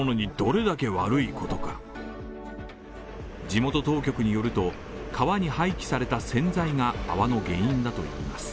地元当局によると、川に廃棄された洗剤が泡の原因だといいます。